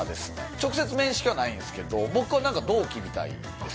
直接面識はないんですけど、僕はなんか同期みたいです。